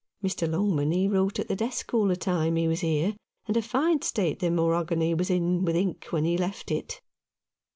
Mr. Longman, he wrote at the desk all the time he was here, and a fine state the mornogany was in with ink when he left it."